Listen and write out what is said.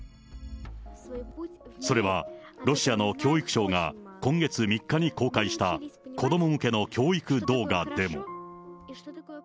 それは、ロシアの教育省が今月３日に公開した子ども向けの教育動画でも。